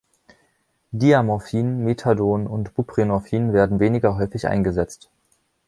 Diamorphin, Methadon und Buprenorphin werden weniger häufig eingesetzt.